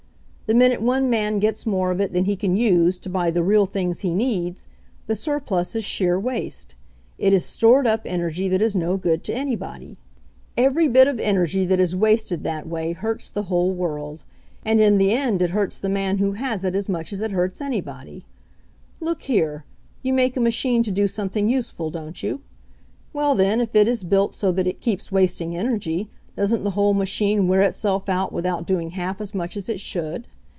The minute one man gets more of it than he can use to buy the real things he needs, the surplus is sheer waste. It is stored up energy that is no good to anybody. FIVE DOLLARS A DAY MINIMUM 149 "Every bit of energy that is wasted that way hurts the whole world, and in the end it hurts the man who has it as much as it hurts anybody. Look here, you make a machine to do something useful, don't you? Well, then, if it is built so that it keeps wasting energy, doesn't the whole machine wear itself out without doing half as much as it should